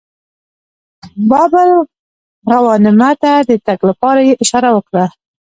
باب الغوانمه ته د تګ لپاره یې اشاره وکړه.